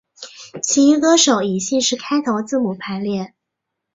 其余歌手以姓氏开头字母排列。